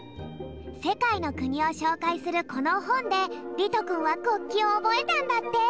せかいの国をしょうかいするこのほんでりとくんは国旗をおぼえたんだって。